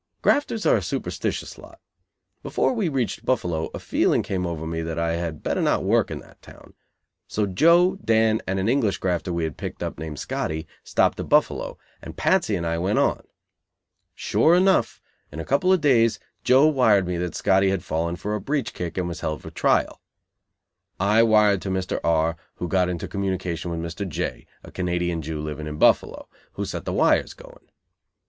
Grafters are a superstitious lot. Before we reached Buffalo a feeling came over me that I had better not work in that town; so Joe, Dan and an English grafter we had picked up, named Scotty, stopped at Buffalo, and Patsy and I went on. Sure enough, in a couple of days Joe wired me that Scotty had fallen for a breech kick and was held for trial. I wired to Mr. R , who got into communication with Mr. J , a Canadian Jew living in Buffalo, who set the wires going.